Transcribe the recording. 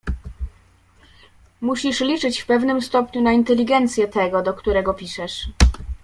"Musisz liczyć w pewnym stopniu na inteligencję tego, do którego piszesz."